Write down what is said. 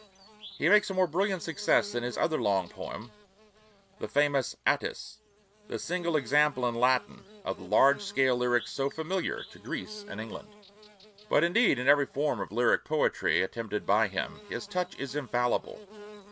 He makes a more brilliant success in his other long poem, the famous 'Atys,' the single example in Latin of the large scale lyric so familiar to Greece and England. But indeed in every form of lyric poetry attempted by him, his touch is infallible.